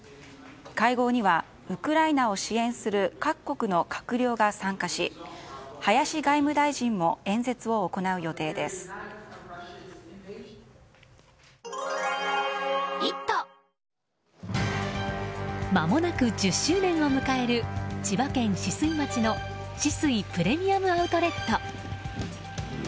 会合にはウクライナを支援する各国の閣僚が参加し林外務大臣もまもなく１０周年を迎える千葉県酒々井町の酒々井プレミアム・アウトレット。